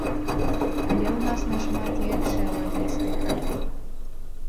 Але ў нас нашмат лепшая лагістыка.